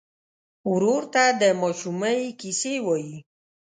ورور ته د ماشومۍ کیسې وایې.